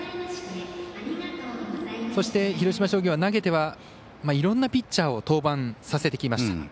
そして、広島商業は投げてはいろんなピッチャーを登板させてきました。